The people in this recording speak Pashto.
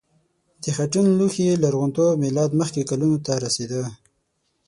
د خټین لوښي لرغونتوب میلاد مخکې کلونو ته رسیده.